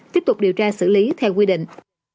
tiếp tục điều tra xử lý theo quy định